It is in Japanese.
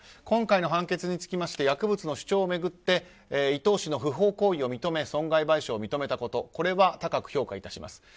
今回の判決につきまして薬物の主張を巡って伊藤さんの不法行為を認め損害賠償を認めたことこれは高く評価致します。